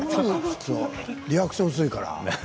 リアクション薄いから。